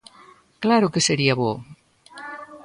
Claro que sería bo!